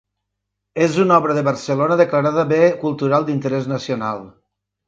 És una obra de Barcelona declarada Bé Cultural d'Interès Nacional.